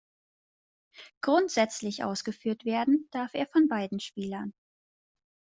Grundsätzlich ausgeführt werden darf er von beiden Spielern.